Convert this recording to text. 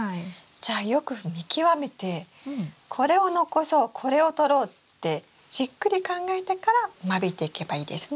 じゃあよく見極めてこれを残そうこれを取ろうってじっくり考えてから間引いていけばいいですね？